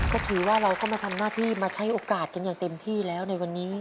ก็ถือว่าเราก็มาทำหน้าที่มาใช้โอกาสกันอย่างเต็มที่แล้วในวันนี้